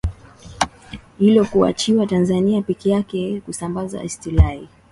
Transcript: hilo kuachiwa Tanzania peke yake Kusamabaza Istilahi